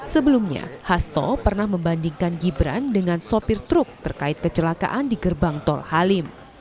sebelumnya hasto pernah membandingkan gibran dengan sopir truk terkait kecelakaan di gerbang tol halim